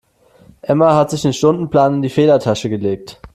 Emma hat sich den Stundenplan in die Federtasche gelegt.